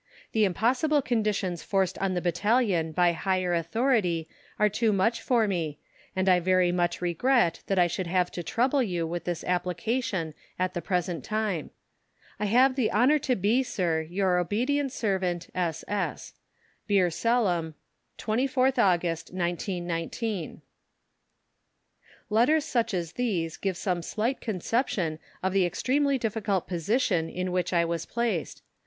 The impossible conditions forced on the battalion by higher authority are too much for me, and I very much regret that I should have to trouble you with this application at the present time. I have the honour to be, Sir, Your obedient Servant, SS. Bir Salem, 24TH AUGUST, 1919. Letters such as these give some slight conception of the extremely difficult position in which I was placed.